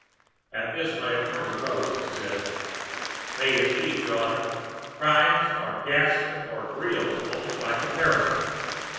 At this, my attorney rose and said: "May it please your Honor, crimes are ghastly or agreeable only by comparison.